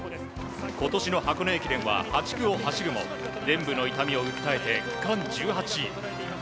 今年の箱根駅伝は８区を走るも臀部の痛みを訴えて区間１８位。